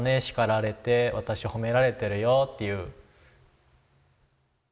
叱られて私褒められてるよっていう。